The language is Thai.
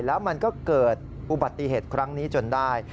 แล้วมันก็เกิดอุบัติเหตุครั้งนี้จนได้